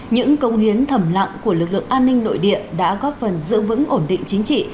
những công hiến thầm lặng của lực lượng an ninh nội địa đã góp phần giữ vững ổn định chính trị